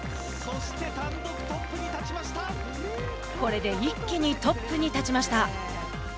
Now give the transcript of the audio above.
これで一気にトップに立ちました。